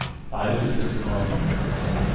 Bald ist es soweit.